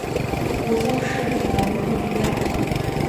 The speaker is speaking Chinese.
泊松式比的物理量。